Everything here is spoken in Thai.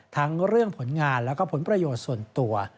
ทั้งเรื่องผลงานแล้วก็ผลประโยชน์ส่วนตัว